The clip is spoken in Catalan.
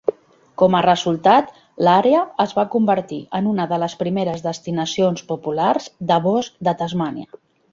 Com a resultat, l'àrea es va convertir en una de les primeres destinacions populars de bosc de Tasmània.